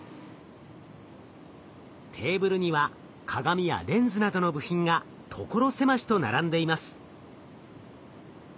テーブルには鏡やレンズなどの部品が所狭しと並んでいます。